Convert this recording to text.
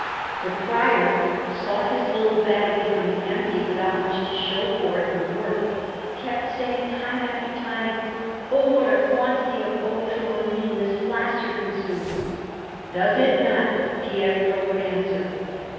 The Prior, who saw his little bag becoming empty without much to show for it in the work, kept saying time after time: "Oh, what a quantity of ultramarine this plaster consumes!" "Does it not?" Pietro would answer.